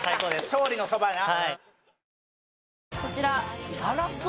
勝利のそばな